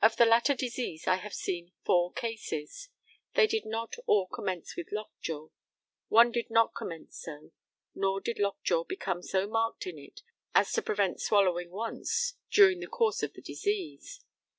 Of the latter disease I have seen four cases. They did not all commence with lockjaw. One did not commence so, nor did lockjaw become so marked in it as to prevent swallowing once during the course of the disease.